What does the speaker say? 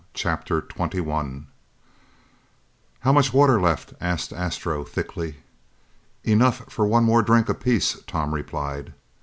CHAPTER 21 "How much water left?" asked Astro thickly. "Enough for one more drink apiece," Tom replied.